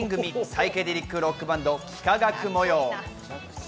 サイケデリックロックバンド・幾何学模様。